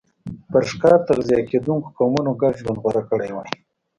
پر ښکار تغذیه کېدونکو قومونو ګډ ژوند غوره کړی وای.